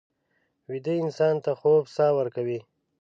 ویده انسان ته خوب ساه ورکوي